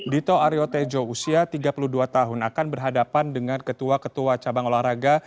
dito aryo tejo usia tiga puluh dua tahun akan berhadapan dengan ketua ketua cabang olahraga